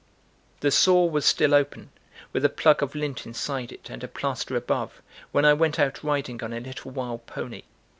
The sore was still open, with a plug of lint inside it and a plaster above, when I went out riding on a little wild pony.